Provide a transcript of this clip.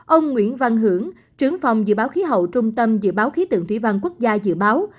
ông nguyễn văn hưởng trưởng phòng dự báo khí hậu trung tâm dự báo khí tượng thủy văn quốc gia dự báo